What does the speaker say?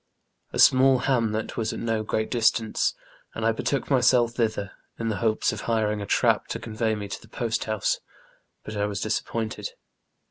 A small bamlet w^as at no great distance, and I betook myself tbitber, in tbe bopes of biring a trap to convey me to tbe postbouse, but I was disappointed.